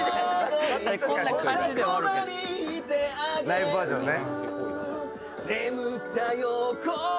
ライブバージョンね。